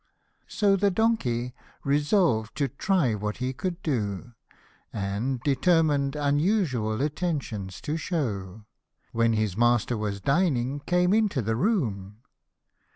So the donkey, resolved to try what he could do, And, determined unusual attentions to shew, When his master was dining came into the room.